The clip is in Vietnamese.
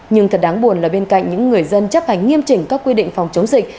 nhưng thật đáng buồn là bên cạnh những người dân chấp hành nghiêm chỉnh các quy định phòng chống dịch